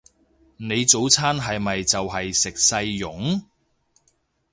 你早餐係咪就係食細蓉？